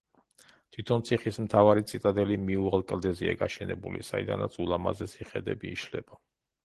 თვითონ ციხის მთავარი ციტადელი მიუვალ კლდეზეა გაშენებული, საიდანაც ულამაზესი ხედები იშლება.